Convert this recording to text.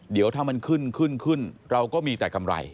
เดี๋ยวถ้ามันขึ้นขึ้นขึ้นเราก็มีแต่กำไร